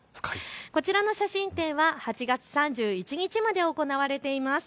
こちらの写真展は８月３１日まで行われています。